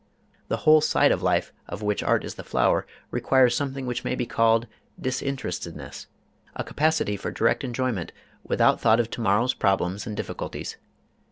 The whole side of life of which art is the flower requires something which may be called disinterestedness, a capacity for direct enjoyment without thought of tomorrow's problems and difficulties.